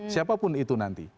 siapapun itu nanti